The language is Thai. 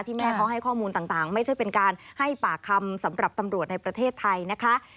แม่เขาให้ข้อมูลต่างไม่ใช่เป็นการให้ปากคำสำหรับตำรวจในประเทศไทยนะคะ